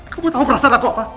kamu tau perasaan aku apa